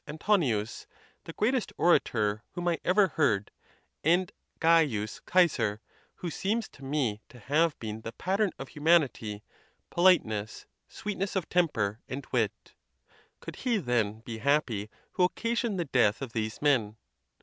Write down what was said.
Antonius,* the greatest orator whom I ever heard ; and C. Cesar, who seems to me to have been the pattern of humanity, politeness, sweetness. of temper, and wit. Could he, then, be happy who occasioned the | death of these men?